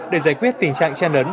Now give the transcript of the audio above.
để giải quyết tình trạng chen đấn